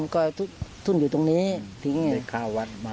ก็ทุ่นอยู่ตรงนี้ถึงได้ข้าวมา